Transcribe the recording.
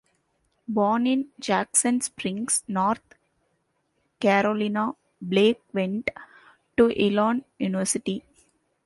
Born in Jackson Springs, North Carolina, Blake went to Elon University.